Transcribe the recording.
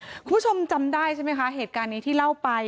คุณผู้ชมจำได้ใช่ไหมคะเหตุการณ์นี้ที่เล่าไป